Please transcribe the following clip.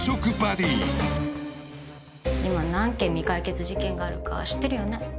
２今何件未解決事件があるか知ってるよね？